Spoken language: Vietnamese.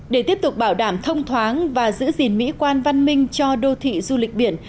để tiếp tục bảo đảm thông thoáng và giữ gìn mỹ quan văn minh cho đô thị du lịch biển